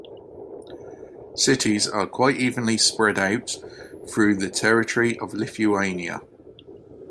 Cities are quite evenly spread out through the territory of Lithuania.